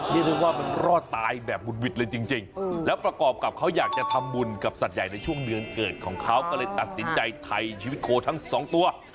เรียกได้ว่ามันรอดตายแบบบุดหวิดเลยจริงแล้วประกอบกับเขาอยากจะทำบุญกับสัตว์ใหญ่ในช่วงเดือนเกิดของเขาก็เลยตัดสินใจถ่ายชีวิตโคทั้งสองตัว